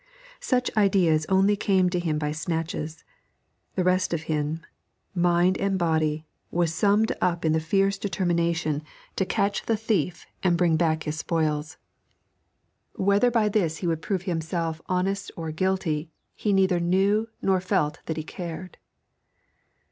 Such ideas only came to him by snatches; the rest of him, mind and body, was summed up in a fierce determination to catch the thief and bring back his spoils. Whether by this he would prove himself honest or guilty, he neither knew nor felt that he cared.